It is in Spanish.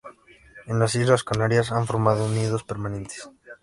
En las Islas Canarias han formado nidos permanentes.